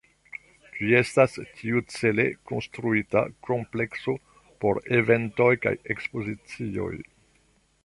Ĝi estas tiucele konstruita komplekso por eventoj kaj ekspozicioj.